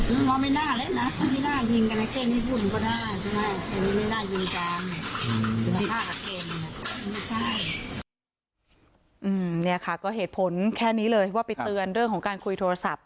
นี่ค่ะก็เหตุผลแค่นี้เลยว่าไปเตือนเรื่องของการคุยโทรศัพท์